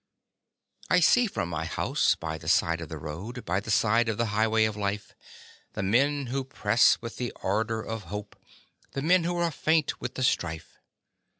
I see from my house by the side of the road, By the side of the highway of life, The men who press with the ardor of hope, The men who are faint with the strife.